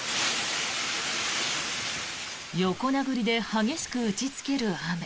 横殴りで激しく打ちつける雨。